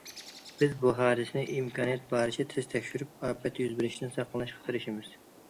بىز بۇ ھادىسىنى ئىمكانىيەتنىڭ بارىچە تېز تەكشۈرۈپ، ئاپەت يۈز بېرىشتىن ساقلىنىشقا تىرىشىمىز.